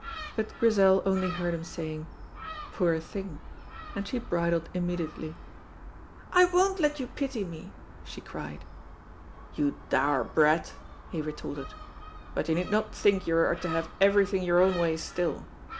But Grizel only heard him say, "Poor thing!" and she bridled immediately. "I won't let you pity me," she cried. "You dour brat!" he retorted. "But you need not think you are to have everything your own way still.